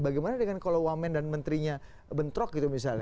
bagaimana dengan kalau wamen dan menterinya bentrok gitu misalnya